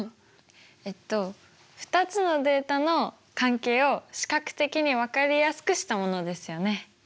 えっと２つのデータの関係を視覚的に分かりやすくしたものですよね。